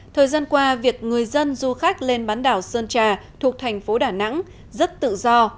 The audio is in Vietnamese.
thời gian qua việc người dân du khách lên bán đảo sơn trà thuộc thành phố đà nẵng rất tự do